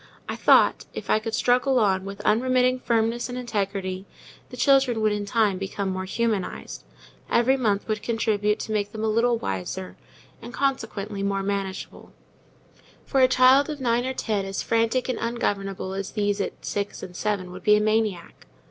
I thought, if I could struggle on with unremitting firmness and integrity, the children would in time become more humanized: every month would contribute to make them some little wiser, and, consequently, more manageable; for a child of nine or ten as frantic and ungovernable as these at six and seven would be a maniac.